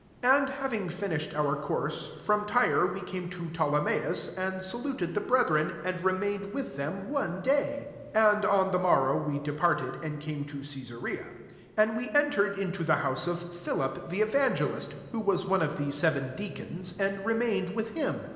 7 And having finished our course, from Tyre we came' to Ptolemais, and saluted the brethren, and remained with them one day : 8 and on the morrow we departed, and came to Caesarea; and we entered into the house of Philip the Evangelist, who was one of the seven deacons, and remained with him.